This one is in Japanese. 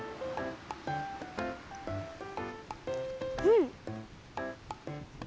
うん！